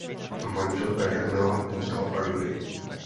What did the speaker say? Manželka Jarmila zůstala v Anglii.